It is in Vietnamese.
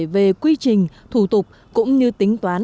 về quy trình thủ tục cũng như tính toán